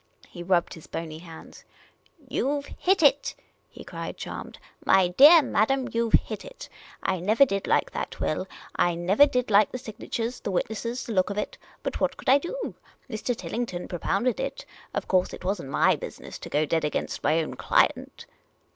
He rubbed his bony hands. " You 've hit it !" he cried, charmed. " My dear madam, you 've hit it ! I never did like that will. I never did like the signatures, the witnesses, the look of it. But what could I do ? Mr. Tillington propounded it. Of course it was n't my bu.siness to go dead against my own client."